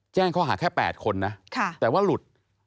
แจ้งแล้วเขาอาจแค่แปดคนน่ะแต่ว่าหลุด